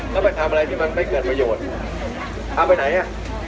แล้วไปทำอะไรที่มันไม่เกิดประโยชน์เอาไปไหนอ่ะ